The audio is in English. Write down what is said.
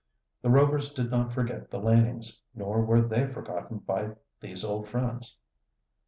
The Rovers did not forget the Lanings, nor were they forgotten by these old friends.